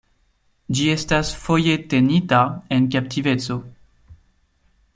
Ĝi estas foje tenita en kaptiveco.